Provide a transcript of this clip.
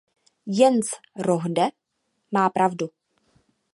Jens Rohde má pravdu.